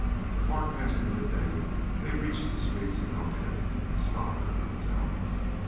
Far past the mid day they reached the streets of Elkhead and stopped at the hotel.